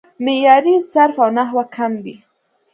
معیاري صرف او نحو کم دی